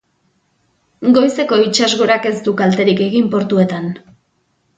Goizeko itsasgorak ez du kalterik egin portuetan.